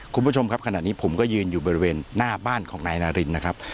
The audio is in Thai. คุณผู้ชมครับขณะนี้ผมก็ยืนอยู่บริเวณหน้าบ้านของนายนารินนะครับ